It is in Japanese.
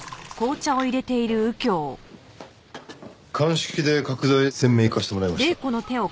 鑑識で拡大鮮明化してもらいました。